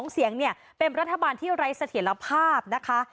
๒เสียงเนี่ยเป็นรัฐบาลที่ไร้เสถียรภาพนะคะ